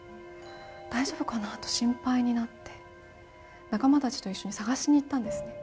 大丈夫かな？と心配になって仲間たちと一緒に探しに行ったんですね。